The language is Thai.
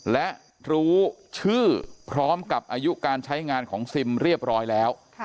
และรู้ชื่อพร้อมกับอายุการใช้งานของซิมเรียบร้อยแล้ว